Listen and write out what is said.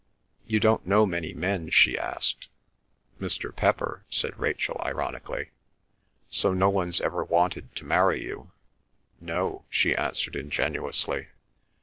"You don't know many men?" she asked. "Mr. Pepper," said Rachel ironically. "So no one's ever wanted to marry you?" "No," she answered ingenuously.